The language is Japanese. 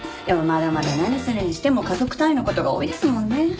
でもまだまだ何するにしても家族単位の事が多いですもんね。